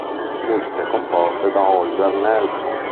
Musiche composte da Oliver Nelson